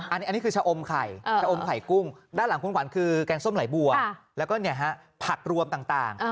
อันนี้คือชะอมไข่ชะอมไข่กุ้งด้านหลังคุณขวัญคือแกงส้มไหลบัวแล้วก็ผักรวมต่าง